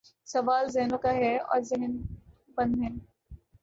سوال ذہنوں کا ہے اور ذہن بند ہیں۔